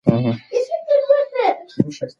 هغه په خپله صافه باندې د مخ خولې پاکې کړې.